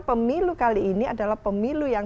pemilu kali ini adalah pemilu yang